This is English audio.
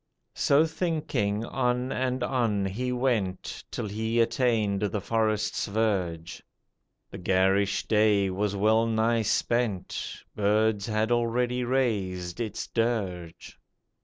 So thinking, on and on he went, Till he attained the forest's verge, The garish day was well nigh spent, Birds had already raised its dirge.